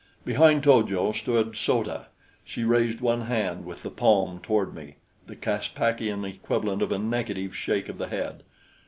Behind To jo stood So ta. She raised one hand with the palm toward me the Caspakian equivalent of a negative shake of the head.